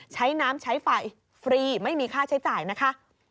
ใช้น้ำใช้ไฟฟรีไม่มีค่าใช้จ่ายนะคะ